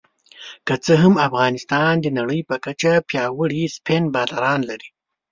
که څه هم افغانستان د نړۍ په کچه پياوړي سپېن بالران لري